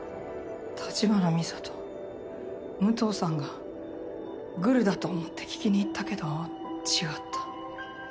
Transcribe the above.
橘美沙と武藤さんがグルだと思って聞きに行ったけど違った。